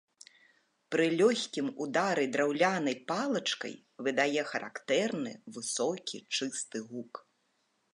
Пры лёгкім ўдары драўлянай палачкай выдае характэрны высокі чысты гук.